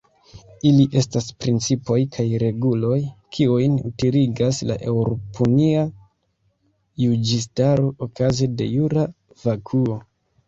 Ili estas principoj kaj reguloj, kiujn utiligas la eŭropunia juĝistaro okaze de "jura vakuo".